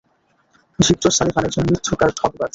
Victor Sullivan একজন মিথ্যুক আর ঠগবাজ।